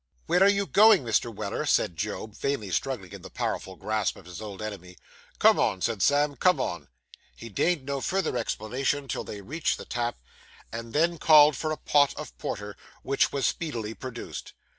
'Where are you going, Mr. Weller?' said Job, vainly struggling in the powerful grasp of his old enemy. 'Come on,' said Sam; 'come on!' He deigned no further explanation till they reached the tap, and then called for a pot of porter, which was speedily produced.